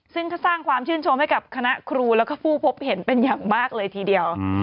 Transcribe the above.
ซึ่งก็สร้างความชื่นชมให้กับคณะครูแล้วก็ผู้พบเห็นเป็นอย่างมากเลยทีเดียว